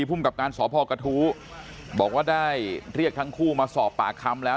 ภูมิกับการสพกระทู้บอกว่าได้เรียกทั้งคู่มาสอบปากคำแล้ว